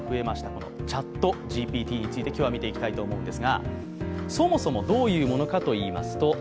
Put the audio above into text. このＣｈａｔＧＰＴについて今日は見ていきたいと思います。